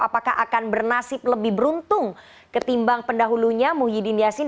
apakah akan bernasib lebih beruntung ketimbang pendahulunya muhyiddin yassin